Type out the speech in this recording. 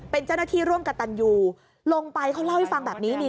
เป็นเจ้าหน้าที่ร่วมกับตันยูลงไปเขาเล่าให้ฟังแบบนี้นี่